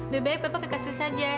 baik baik papa kasih saja